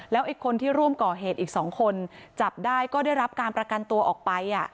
ไอ้คนที่ร่วมก่อเหตุอีก๒คนจับได้ก็ได้รับการประกันตัวออกไป